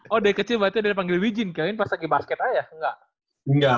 oh dari kecil berarti udah dipanggil wijin kayaknya pas lagi basket aja nggak